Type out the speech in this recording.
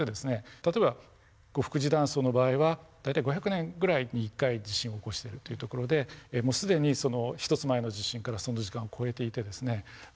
例えば牛伏寺断層の場合は大体５００年ぐらいに１回地震を起こしてるという所でもう既にその１つ前の地震からその時間を超えていてですね